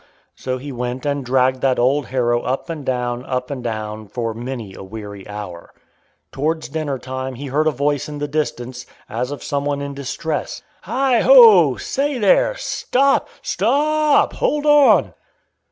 So he went and dragged that old harrow up and down, up and down, for many a weary hour. Towards dinner time he heard a voice in the distance, as of some one in distress. "Heigh! Ho o o o! Say there! Stop! Sto o o o op! Hold on!"